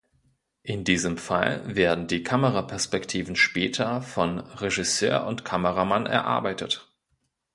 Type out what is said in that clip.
In diesem Fall werden die Kameraperspektiven später von Regisseur und Kameramann erarbeitet.